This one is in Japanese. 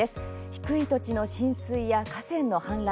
低い土地の浸水や河川の氾濫